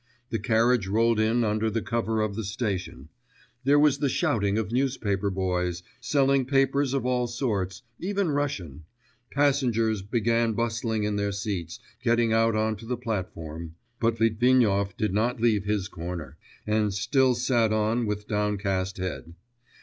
The carriage rolled in under the cover of the station; there was the shouting of newspaper boys, selling papers of all sorts, even Russian; passengers began bustling in their seats, getting out on to the platform, but Litvinov did not leave his corner, and still sat on with downcast head.